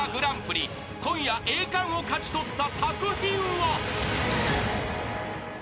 ［今夜栄冠を勝ち取った作品は］